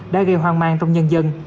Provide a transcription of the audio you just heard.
đã gây hoang mang trong nhân dân